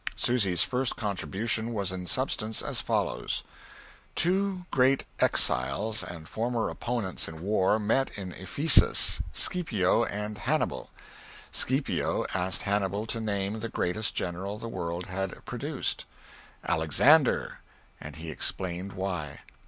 Susy's first contribution was in substance as follows. Two great exiles and former opponents in war met in Ephesus Scipio and Hannibal. Scipio asked Hannibal to name the greatest general the world had produced. "Alexander" and he explained why.